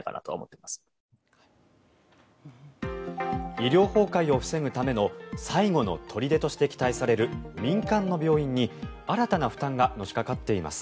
医療崩壊を防ぐための最後の砦として期待される民間の病院に新たな負担がのしかかっています。